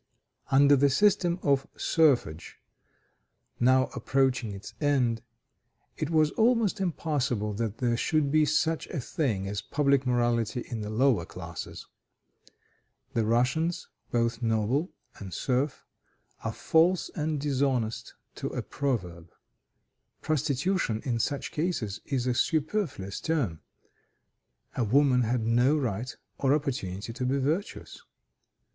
Under the system of serfage, now approaching its end, it was almost impossible that there should be such a thing as public morality in the lower classes. The Russians, both noble and serf, are false and dishonest to a proverb. Prostitution in such cases is a superfluous term: a woman had no right or opportunity to be virtuous.